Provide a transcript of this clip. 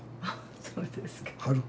そうですか。